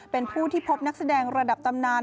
เป็นผู้ที่พบนักแสดงระดับตำนาน